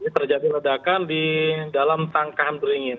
terjadi ledakan di dalam tangkahan beringin